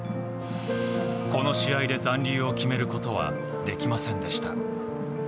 この試合で残留を決めることはできませんでした。